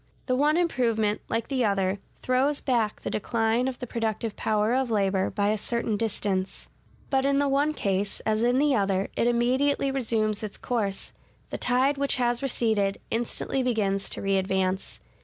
The one improvement, like the other, throws back the decline of the productive power of labor by a certain distance: but in the one case, as in the other, it immediately resumes its course; the tide which has receded, instantly begins to readvance.